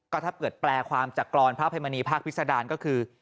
ก็ถ้าเกิดแปลความจากกรอนพระอภัยมณีภาคพิษดารก็คือ